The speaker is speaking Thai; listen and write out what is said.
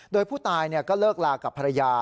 โดยผู้ตายก็เลิกลากับภรรยา